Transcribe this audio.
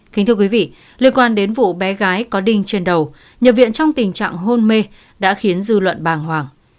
kính thưa quý vị liên quan đến vụ bé gái có đinh trên đầu nhập viện trong tình trạng hôn mê đã khiến dư luận bàng hoàng